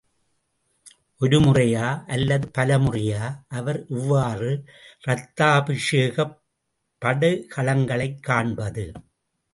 ஒரு முறையா அல்லது பல முறையா அவர் இவ்வாறு ரத்தாபிஷேகப் படுகளங்களைக் காண்பது?